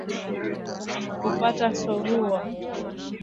mtoto asipopata vita mini A lishe huweza kupata surua